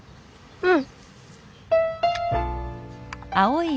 うん。